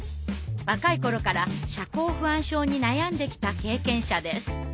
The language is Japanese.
若い頃から社交不安症に悩んできた経験者です。